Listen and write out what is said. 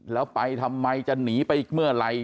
แล้วไปทำไมจะหนีไปอีกเมื่อไหร่